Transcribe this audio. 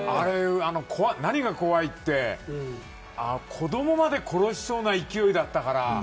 何が怖いって子どもまで殺しそうな勢いだったから。